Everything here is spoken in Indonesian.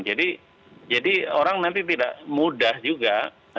jadi orang nanti tidak mudah juga